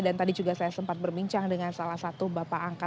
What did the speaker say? dan tadi juga saya sempat berbincang dengan salah satu bapak